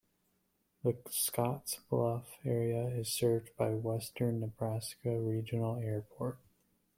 The Scottsbluff area is served by Western Nebraska Regional Airport.